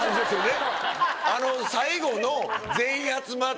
最後の。